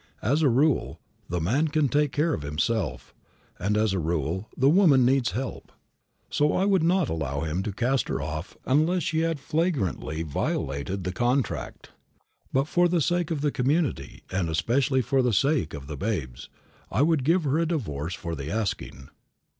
As a rule, the man can take care of himself, and as a rule, the woman needs help. So, I would not allow him to cast her off unless she had flagrantly violated the contract. But, for the sake of the community, and especially for the sake of the babes, I would give her a divorce for the asking.